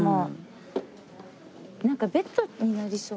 なんかベッドになりそう。